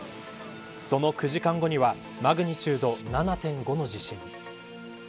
その９時間後にはマグニチュード７．５の地震。